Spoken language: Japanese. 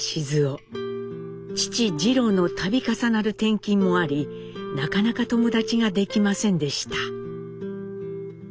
父次郎の度重なる転勤もありなかなか友達ができませんでした。